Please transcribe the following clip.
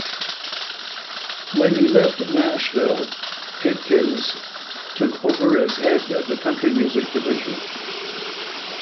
When he left Nashville, Atkins took over as head of the country music division.